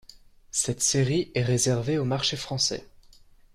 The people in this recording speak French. Cette série est réservée au marché français.